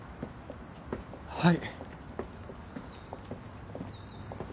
はい。